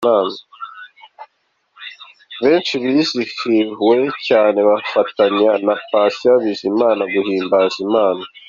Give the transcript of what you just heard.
Benshi bizihiwe cyane bafatanya na Patient Bizimana guhimbaza Imana.